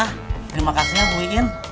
terima kasih ya bu iin